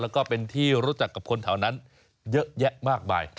แล้วก็เป็นที่รู้จักกับคนแถวนั้นเยอะแยะมากมาย